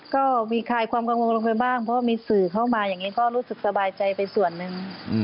ก็มีคลายความกังวลลงไปบ้างเพราะมีสื่อเข้ามาอย่างนี้ก็รู้สึกสบายใจไปส่วนหนึ่ง